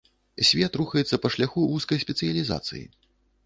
Свет рухаецца па шляху вузкай спецыялізацыі.